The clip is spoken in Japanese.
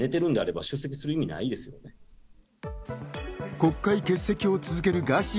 国会欠席を続けるガーシー